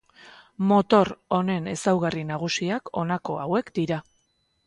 Motor honen ezaugarri nagusiak honako hauek dira.